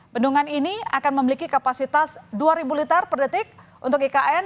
bendungan ini akan memiliki kapasitas dua liter per detik untuk ikn